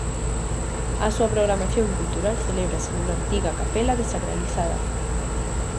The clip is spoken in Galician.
A súa programación cultural celébrase nunha antiga capela desacralizada.